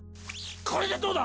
これでどうだ？